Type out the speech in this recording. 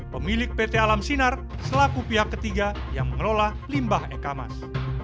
pemilik pt alam sinar selaku pihak ketiga yang mengelola limbah eka mas